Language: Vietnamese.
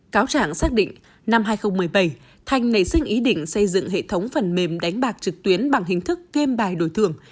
cáo trạng xác định năm hai nghìn một mươi bảy thanh nảy sinh ý định xây dựng hệ thống phần mềm đánh bạc trực tuyến bằng hình thức game bài đổi thưởng